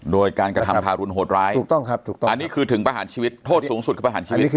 โดยการกระทำทารุณโหดร้ายถูกต้องครับถูกต้องอันนี้คือถึงประหารชีวิตโทษสูงสุดคือประหารชีวิต